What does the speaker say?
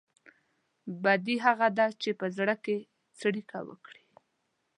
بدي هغه ده چې په زړه کې څړيکه وکړي.